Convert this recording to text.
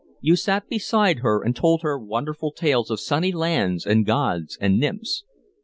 You sat beside her, and told her wonderful tales of sunny lands and gods and nymphs.